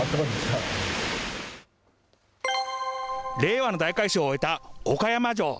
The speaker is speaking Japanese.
令和の大改修を終えた岡山城。